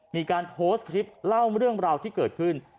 มีการโพสต์คลิปเล่าเรื่องราวที่เกิดขึ้น